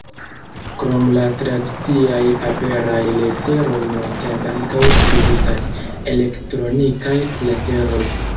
Krom la tradiciaj paperaj leteroj nuntempe ankaŭ ekzistas elektronikaj leteroj.